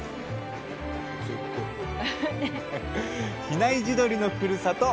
比内地鶏のふるさと